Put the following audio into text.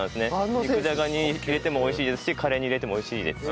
肉じゃがに入れても美味しいですしカレーに入れても美味しいですし。